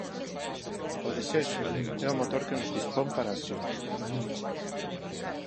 O desexo é o motor que nos dispón para a acción.